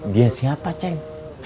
dia siapa ceng